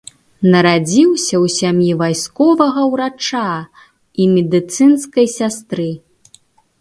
Нарадзіўся ў сям'і вайсковага ўрача і медыцынскай сястры.